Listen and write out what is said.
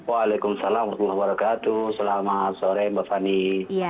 waalaikumsalam wr wb selamat sore mbak fani